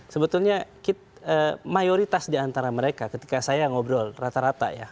sebetulnya mayoritas di antara mereka ketika saya ngobrol rata rata ya